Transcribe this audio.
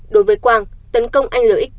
đối với quang tấn công anh lxt